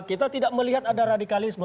kita tidak melihat ada radikalisme